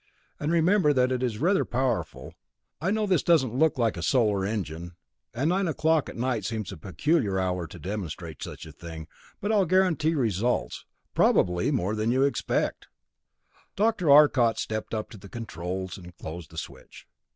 And remember that it is rather powerful; I know this doesn't look like a solar engine, and nine o'clock at night seems a peculiar hour to demonstrate such a thing, but I'll guarantee results probably more than you expect." Dr. Arcot stepped up to the controls and closed the switch.